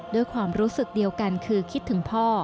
ด้วยความรู้สึกเดียวกันคือคิดถึงพ่อ